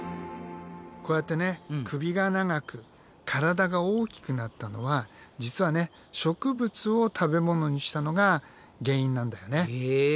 こうやってね首が長く体が大きくなったのは実はね植物を食べ物にしたのが原因なんだよね。